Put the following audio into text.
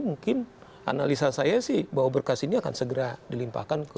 mungkin analisa saya sih bahwa berkas ini akan segera dilimpahkan ke